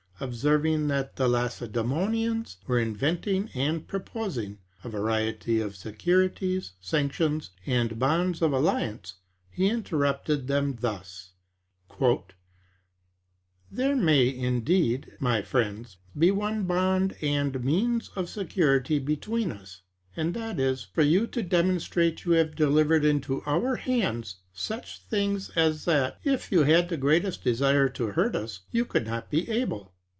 Observing that the Lacedæmonians were inventing and proposing a variety of securities, sanctions, and bonds of alliance, he interrupted them thus: "There may, indeed, my friends, be one bond and means of security between us; and that is, for you to demonstrate you have delivered into our hands, such things as that, if you had the greatest desire to hurt us, you could not be able."